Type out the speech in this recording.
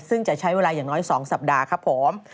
ซึ่งจะใช้เวลาอย่างน้อย๒สัปดาห์ครับผม